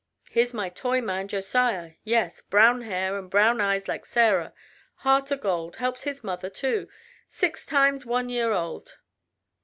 Here's my toy man Josiah yes, brown hair and brown eyes like Sarah heart o' gold helps his mother, too six times one year old."